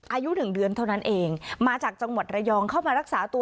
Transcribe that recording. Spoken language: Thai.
อายุหนึ่งเดือนเท่านั้นเองมาจากจังหวัดระยองเข้ามารักษาตัว